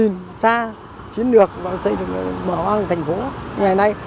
các đồng chí đã có tầm nhìn xa chiến lược và xây dựng được mở hoang thành phố ngày nay